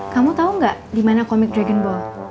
kamu tau gak dimana komik dragon ball